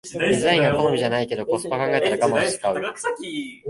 デザインが好みじゃないけどコスパ考えたらガマンして買う